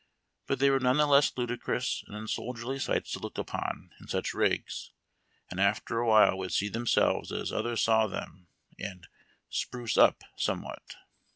But they were none the less ludicrous and unsoldierly sights to look upon KIXKUITS IN UNIFORM. in such rigs, and after a while would see themselves as others saw them, and "spruce up" somewhat.